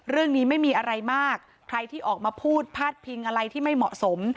เรื่องนี้ไม่มีอะไรมากใครที่ออกมาพูดพาดพิงอะไรที่ไม่เหมาะสม